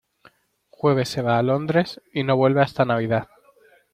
Jueves se va a Londres y no vuelve hasta Navidad.